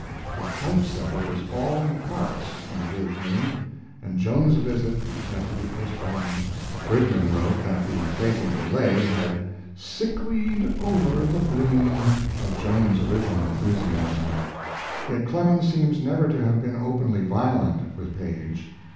The type setter was all in parts when the day came, and Jones's visit had to be postponed. Goodman wrote that the fatal delay had "sicklied over the bloom" of Jones's original enthusiasm. Yet Clemens seems never to have been openly violent with Paige.